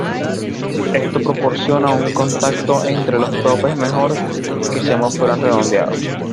Esto proporciona un contacto entre los topes mejor que si ambos fueran redondeados.